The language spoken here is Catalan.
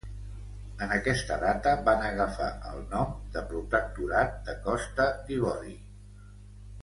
En aquesta data van agafar el nom de Protectorat de Costa d'Ivori.